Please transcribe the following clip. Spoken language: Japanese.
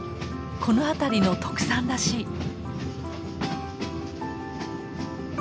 この辺りの特産らしい。